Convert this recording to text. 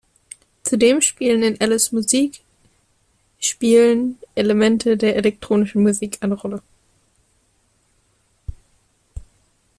Zudem spielen in Ellis´ Musik spielen Elemente der elektronischen Musik eine Rolle.